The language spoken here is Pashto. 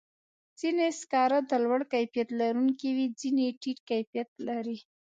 ځینې سکاره د لوړ کیفیت لرونکي وي، ځینې ټیټ کیفیت لري.